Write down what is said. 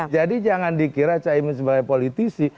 jadi jangan dikira caimin sebagai politisi